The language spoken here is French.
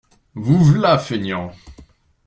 Vous v'là feignants!